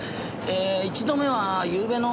１度目はゆうべの。